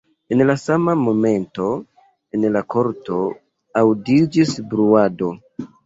En la sama momento en la korto aŭdiĝis bruado.